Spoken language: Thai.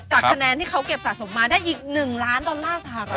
คะแนนที่เขาเก็บสะสมมาได้อีก๑ล้านดอลลาร์สหรัฐ